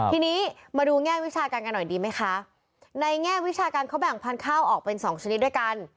ทีนี้มาดูแง่วิชาการกันหน่อยดีไหมคะในแง่วิชาการเขาแบ่งพันธุ์ข้าวออกเป็นสองชนิดด้วยกัน